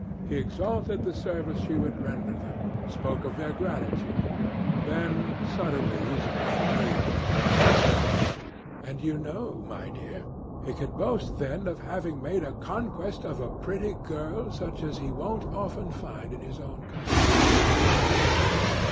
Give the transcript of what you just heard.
He exalted the service she would render them, spoke of their gratitude; then, suddenly, using the familiar "thou": "And you know, my dear, he could boast then of having made a conquest of a pretty girl such as he won't often find in his own country."